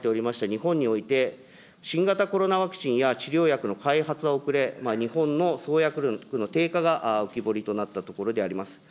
日本において、新型コロナワクチンや治療薬の開発は遅れ、日本の創薬力の低下が浮き彫りとなったところであります。